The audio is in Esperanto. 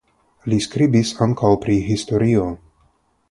Li skribis ankaŭ pri historio.